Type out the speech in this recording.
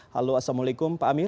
halo assalamualaikum pak amir